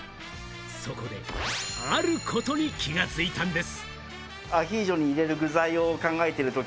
そこであることに気が付いたんです。